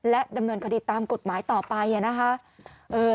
และดำเนินคดีตามกฎหมายต่อไป